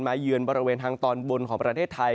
เยือนบริเวณทางตอนบนของประเทศไทย